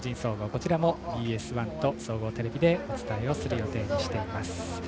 こちらもＢＳ１と総合テレビでお伝えする予定にしています。